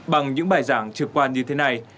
bằng những bài giảng trực quan như thế này